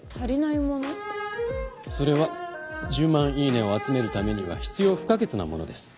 それは１０万イイネを集めるためには必要不可欠なものです。